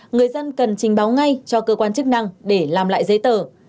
người dân cần trình báo ngay cho cơ quan chức năng để làm lại giấy tờ